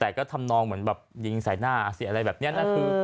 แต่ก็ทำนองเหมือนแบบยิงใส่หน้าสิอะไรแบบนี้นะคือ